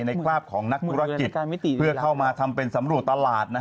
คราบของนักธุรกิจเพื่อเข้ามาทำเป็นสำรวจตลาด